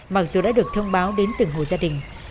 mặc dù đã được thông báo đến từng hồ gia đình